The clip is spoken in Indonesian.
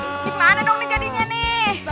gimana dong jadinya nih